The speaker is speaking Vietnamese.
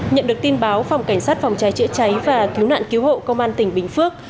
nhận được tin báo phòng cảnh sát phòng cháy chữa cháy và cứu nạn cứu hộ công an tỉnh bình phước